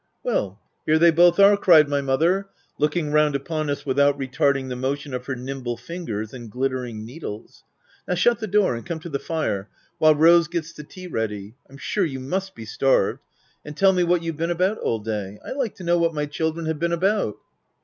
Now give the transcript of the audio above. "Well! here they both are," cried my mother, looking round upon us without retard ing the motion of her nimble fingers, and glit tering needles. " Now shut the door, and come to the fire, while Rose gets the tea ready ; I'm sure you must be starved ;— and tell me what you've been about all day; — I like to know w r hat my children have been about.